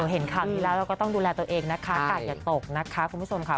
เห็นค่ะแล้วก็ต้องดูแลตัวเองนะคะอากาศอย่าตกนะคะคุณผู้ชมค่ะ